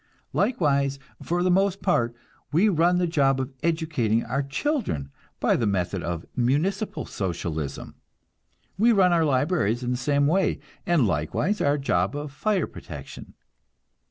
Likewise, for the most part, we run the job of educating our children by the method of municipal Socialism. We run our libraries in the same way, and likewise our job of fire protection.